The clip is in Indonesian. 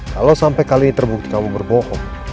kalau sampai kali ini terbukti kamu berbohong